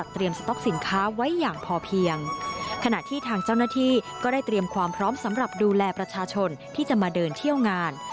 ที่ทางเจ้าหน้าที่ก็ได้เตรียมความพร้อมสำหรับดูแลประชาชนที่จะมาเดินเที่ยวงาน